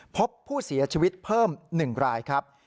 พบผู้เสียชีวิตเพิ่ม๑รายครับ